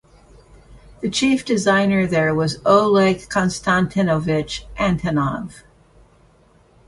The chief designer there was Oleg Konstantinovich Antonov.